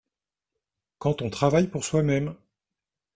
Quand on travaille pour soi-même.